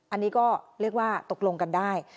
อันนี้ก็เรียกว่าตกลงกันได้